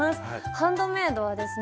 ハンドメイドはですね